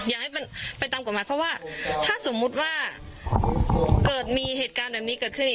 อย่างนี้ไปตามกลัวมาเพราะว่าถ้าสมมติว่าเกิดมีเหตุการณ์แบบนี้เกิดขึ้น